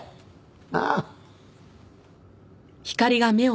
なあ。